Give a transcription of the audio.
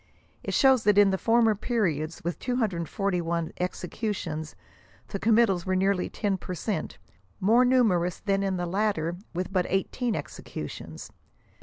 It shows that in the former periods, with 241 executions, the committals were nearly ten per cent, more numerous than in the latter with but 18 executions.